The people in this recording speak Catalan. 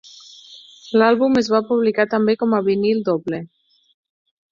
L'àlbum es va publicar també com a vinil doble.